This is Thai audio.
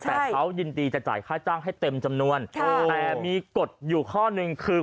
แต่เขายินดีจะจ่ายค่าจ้างให้เต็มจำนวนแต่มีกฎอยู่ข้อหนึ่งคือ